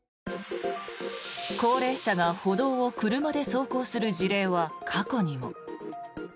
高齢者が歩道を車で走行する事例は過去にも。